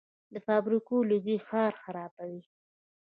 د فابریکو لوګي ښار خرابوي.